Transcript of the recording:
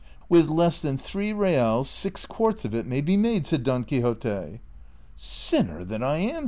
" With less than three reals six quarts ^ of it may be made," said Don Quixote. " Sinner that I am